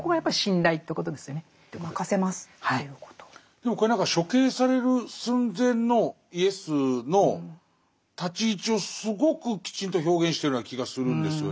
でもこれ何か処刑される寸前のイエスの立ち位置をすごくきちんと表現してるような気がするんですよね。